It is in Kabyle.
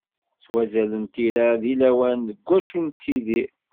S wazal n tira deg lawan deg wacu nettidir.